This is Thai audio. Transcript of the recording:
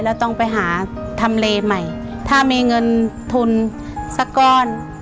แล้วต้องไปหาทำเลใหม่ถ้ามีเงินทุนสักก้อน